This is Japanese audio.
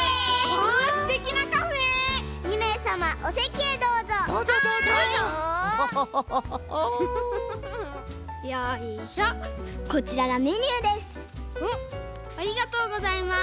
わあありがとうございます。